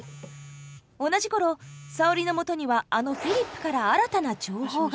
同じ頃沙織のもとにはあのフィリップから新たな情報が。